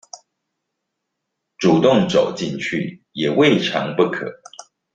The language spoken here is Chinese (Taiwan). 主動走進去也未嘗不可